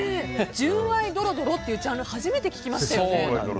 純愛ドロドロってジャンル初めて聞きましたよね。